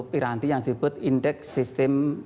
piranti yang disebut indeks sistem